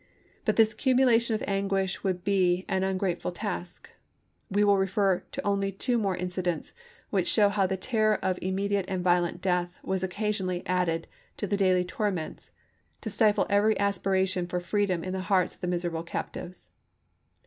But this cumulation of anguish would be an ungrateful task. We will refer to only two more incidents, which show how the terror of im mediate and violent death was occasionally added to the daily torments, to stifle every aspiration for freedom in the hearts of the miserable captives.